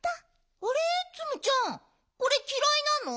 あれっツムちゃんこれきらいなの？